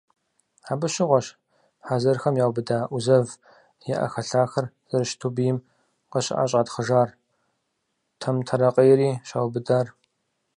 Абы щыгъуэщ хъэзэрхэм яубыда ӏузэв и ӏэхэлъахэр зэрыщыту бийм къыщыӏэщӏатхъыжар, Тамтэрэкъейри щаубыдар.